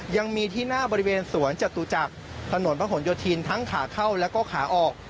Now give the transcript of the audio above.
ยังมีที่หน้าบริเวณสวนจตุจักรถนนพระหลโยธินทั้งขาเข้าแล้วก็ขาออก